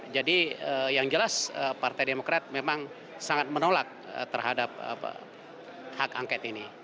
jadi yang jelas partai demokrat memang sangat menolak terhadap hak angket ini